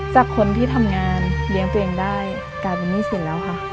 จากคนที่ทำงานเลี้ยงตัวเองได้กลายเป็นหนี้สินแล้วค่ะ